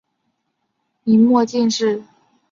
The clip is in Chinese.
明末进士。